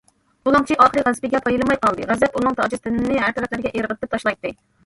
بۇلاڭچى ئاخىرى غەزىپىگە پايلىماي قالدى، غەزەپ ئۇنىڭ ئاجىز تېنىنى ھەر تەرەپلەرگە ئىرغىتىپ تاشلايتتى.